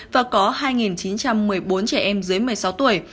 và có hai chín trăm một mươi bốn trẻ em dưới một mươi sáu tuổi